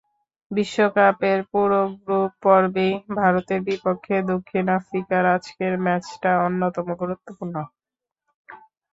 বিশ্বকাপের পুরো গ্রুপ পর্বেই ভারতের বিপক্ষে দক্ষিণ আফ্রিকার আজকের ম্যাচটা অন্যতম গুরুত্বপূর্ণ।